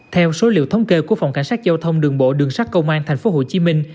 theo số liệu thống kê của phòng cảnh sát giao thông đường bộ đường sát công an thành phố hồ chí minh